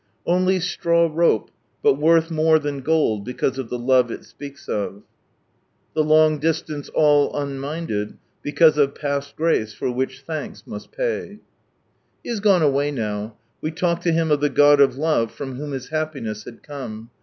■' Only sira ai Ropi, But viortk mote than geld became ef Ike Ifje it speaks of:' '■ The hag dislaiut all unminded be cause ef fail grace for which thanks must fay." He has gone away now ; we talked to him of the God of Love from whom his happiness had come.